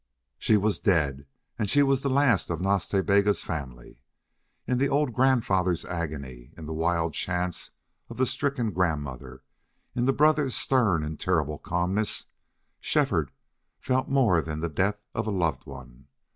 She was dead, and she was the last of Nas Ta Bega's family. In the old grandfather's agony, in the wild chant of the stricken grandmother, in the brother's stern and terrible calmness Shefford felt more than the death of a loved one.